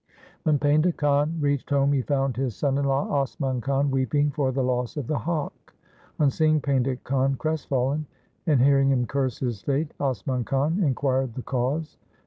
When Painda Khan reached home he found his son in law Asman Khan weeping for the loss of the hawk. On seeing Painda Khan crestfallen and hearing him curse his fate, Asman Khan inquired the cause.